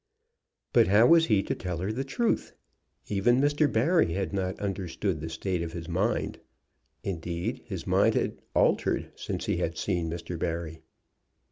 But how was he to tell her the truth? Even Mr. Barry had not understood the state of his mind. Indeed, his mind had altered since he had seen Mr. Barry.